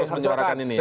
terus menyuarakan ini ya